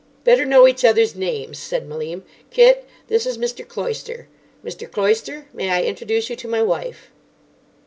"Better know each other's names," said Malim. "Kit, this is Mr. Cloyster. Mr. Cloyster, may I introduce you to my wife?"